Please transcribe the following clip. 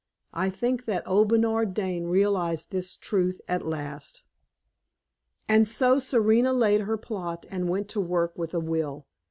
I think that old Bernard Dane realized this truth at last. And so Serena laid her plot, and went to work with a will.